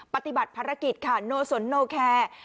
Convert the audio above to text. ปฏิบัติภารกิจค่ะโนสนโนแคร์